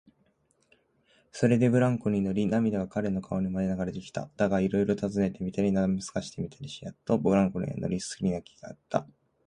それでブランコ乗りの涙が彼の顔にまで流れてきた。だが、いろいろたずねてみたり、なだめすかしてみたりしてやっと、ブランコ乗りはすすり泣きしながらいった。